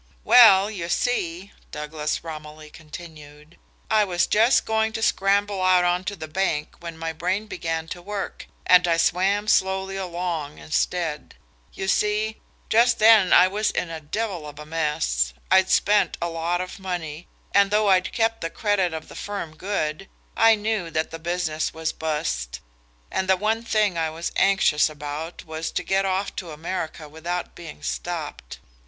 "Well, you see," Douglas Romilly continued, "I was just going to scramble out on to the bank when my brain began to work, and I swam slowly along instead. You see, just then I was in a devil of a mess. I'd spent a lot of money, and though I'd kept the credit of the firm good, I knew that the business was bust, and the one thing I was anxious about was to get off to America without being stopped.